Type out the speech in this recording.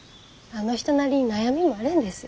あの人なりに悩みもあるんです。